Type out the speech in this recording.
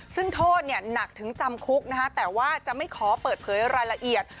ซึ่งโทษหนักถึงจำคุกนะคะแต่ว่าจะไม่ขอเปิดเผยรายละเอียด